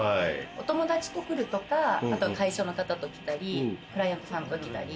お友達と来るとか会社の方と来たり、クライアントさんと来たり。